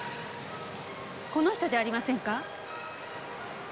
この人じゃありませんか？